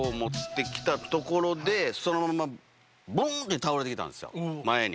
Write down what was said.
そのままボンって倒れて来たんですよ前に。